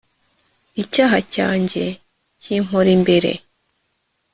icyaha cyanjye kimpora imbere